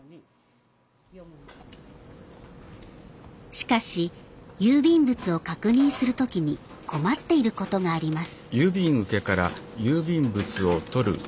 しかし郵便物を確認する時に困っていることがあります。